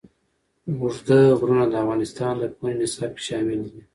اوږده غرونه د افغانستان د پوهنې نصاب کې شامل دي.